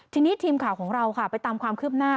ทีนี้ทีมข่าวของเราค่ะไปตามความคืบหน้า